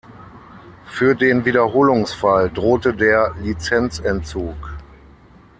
Für den Wiederholungsfall drohte der Lizenzentzug.